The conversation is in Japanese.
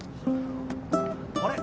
あれ？